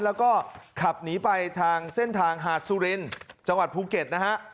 แล้วก็ขับหนีไปทางเส้นทางหาดสุรินจังหวัดภูเก็ตนะฮะ